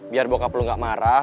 biar bokap lo gak marah